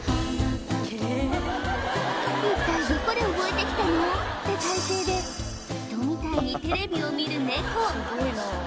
「一体どこで覚えてきたの？」って体勢で人みたいにテレビを見るネコ